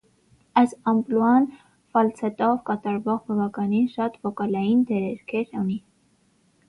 Այս ամպլուան ֆալցետով կատարվող բավականին շատ վոկալային դերերգեր ունի։